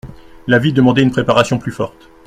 La vie demandait une préparation plus forte.